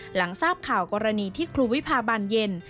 หลังทราบข่าวกรณีที่ครูวิพาบานเย็น